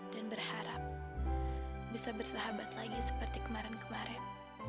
dan berharap bisa bersahabat lagi seperti kemarin kemarin